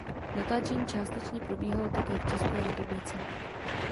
Natáčení částečně probíhalo také v České republice.